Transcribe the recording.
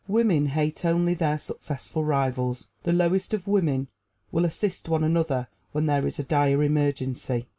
Women hate only their successful rivals. The lowest of women will assist one another when there is a dire emergency.